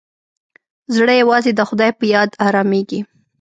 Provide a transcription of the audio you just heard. زړه یوازې د خدای په یاد ارامېږي.